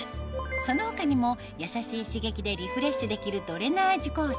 その他にも優しい刺激でリフレッシュできるドレナージュコース